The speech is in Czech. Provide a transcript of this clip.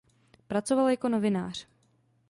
Pracoval jako novinář.